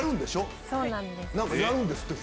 そうなんです。